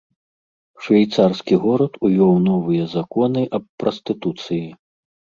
Швейцарскі горад увёў новыя законы аб прастытуцыі.